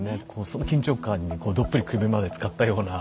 その緊張感にどっぷり首までつかったような。